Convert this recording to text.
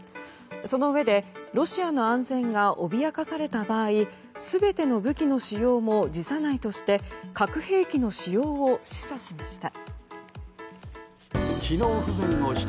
そのうえで、ロシアの安全が脅かされた場合全ての武器の使用も辞さないとして核兵器の使用を示唆しました。